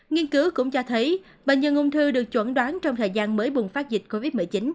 nghiên cứu cũng cho thấy bệnh nhân ung thư được chuẩn đoán trong thời gian mới bùng phát dịch covid một mươi chín